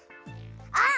あっ！